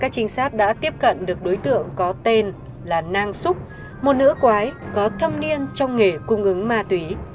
các trinh sát đã tiếp cận được đối tượng có tên là nang xúc một nữ quái có thâm niên trong nghề cung ứng ma túy